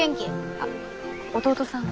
あっ弟さんは？